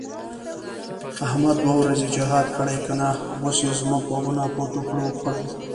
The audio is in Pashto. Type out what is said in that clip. احمد دوه ورځې جهاد کړی که نه، اوس یې زموږ غوږونه په دوپړو وخوړل.